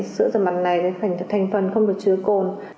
sữa rửa mặt này phải thành phần không được chứa cồn